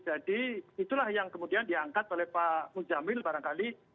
jadi itulah yang kemudian diangkat oleh pak muzamil barangkali